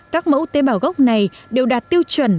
các mẫu tế bào gốc này đều đạt tiêu chuẩn